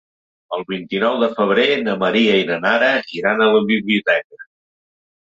El vint-i-nou de febrer na Maria i na Nara iran a la biblioteca.